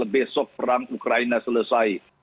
besok perang ukraina selesai